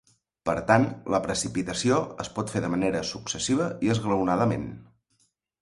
Per tant la precipitació es pot fer de manera successiva i esglaonadament.